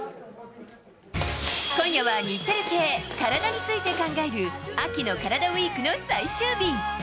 今夜は日テレ系カラダについて考える秋のカラダＷＥＥＫの最終日。